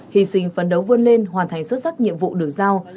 hy sinh phấn đấu vươn lên hoàn thành xuất sắc nhiệm vụ được giao